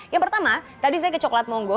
yang pertama tadi saya ke coklat monggo